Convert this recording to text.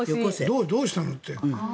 どうしたのって。